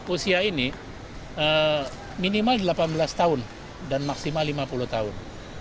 usia ini minimal delapan belas tahun dan maksimal lima puluh tahun